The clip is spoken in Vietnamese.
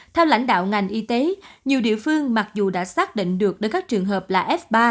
theo lãnh đạo ngành y tế nhiều địa phương mặc dù đã xác định được đến các trường hợp là f ba